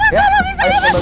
iya mas kalau bisa ya mas